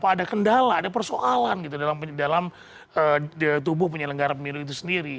ada kendala ada persoalan gitu dalam tubuh penyelenggara pemilu itu sendiri